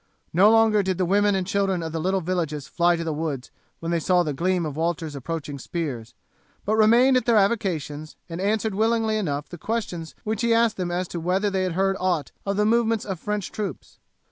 No longer did the women and children of the little villages fly to the woods when they saw the gleam of Walter's approaching spears, but remained at their avocations, and answered willingly enough the questions which he asked them as to whether they had heard aught of the movements of French troops.